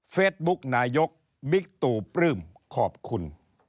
บุ๊กนายกบิ๊กตู่ปลื้มขอบคุณ